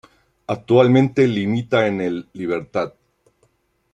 Actualmente limita en el Libertad.